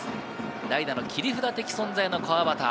代打の切り札的存在の川端。